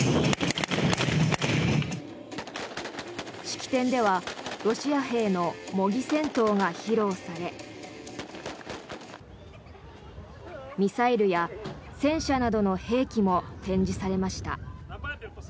式典ではロシア兵の模擬戦闘が披露されミサイルや戦車などの兵器も展示されました。